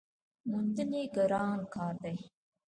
موندل یې ګران کار دی .